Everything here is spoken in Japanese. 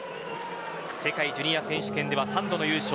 世界ジュニア選手権では３度の優勝。